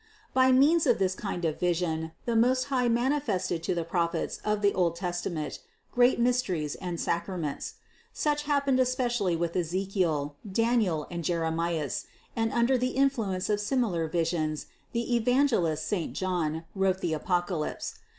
By means of this kind of vision the Most High manifested to the Prophets of the old Tes tament great mysteries and sacraments. Such happened especially with Ezechiel, Daniel and Jeremias, and under the influence of similar visions the evangelist saint John wrote the Apocalypse.